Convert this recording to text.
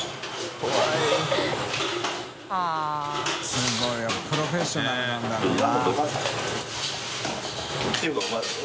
すごいよプロフェッショナルなんだろうな。